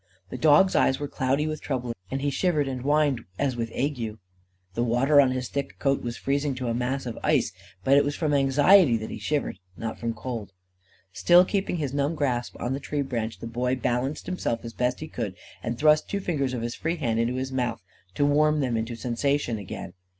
The dog's eyes were cloudy with trouble, and he shivered and whined as with ague. The water on his thick coat was freezing to a mass of ice. But it was from anxiety that he shivered, and not from cold. Still keeping his numb grasp on the tree branch, the boy balanced himself as best he could, and thrust two fingers of his free hand into his mouth to warm them into sensation again.